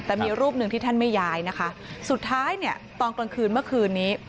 แต่มีรูปหนึ่งที่ท่านไม่ย้ายนะคะสุดท้ายเนี่ยตอนกลางคืนเมื่อคืนนี้